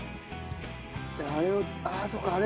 あれをあっそうかあれ。